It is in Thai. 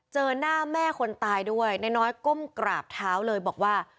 เจอหน้าแม่คนตายด้วยนายน้อยก้มกราบเท้าเลยบอกว่า